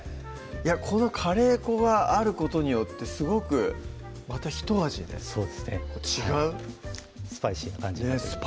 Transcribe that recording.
このカレー粉があることによってすごくまたひと味ねそうですね違うスパイシーな感じになってます